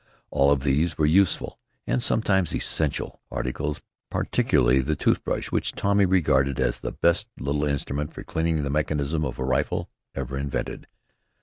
All of these were useful and sometimes essential articles, particularly the toothbrush, which Tommy regarded as the best little instrument for cleaning the mechanism of a rifle ever invented.